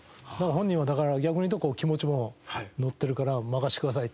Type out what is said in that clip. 本人はだから逆に言うと気持ちも乗ってるから任せてくださいって。